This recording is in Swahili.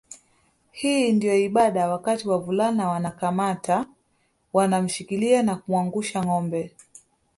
Hii ndio ibada wakati wavulana wanakamata wanamshikilia na kumwangusha ngâombe